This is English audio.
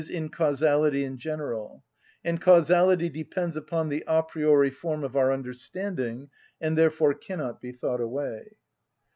_, in causality in general; and causality depends upon the a priori form of our understanding, and therefore cannot be thought away.